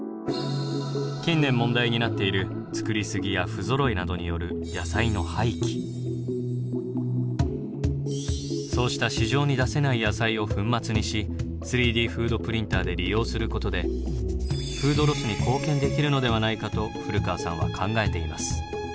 近年問題になっている作り過ぎや不ぞろいなどによるそうした市場に出せない野菜を粉末にし３Ｄフードプリンターで利用することでフードロスに貢献できるのではないかと古川さんは考えています。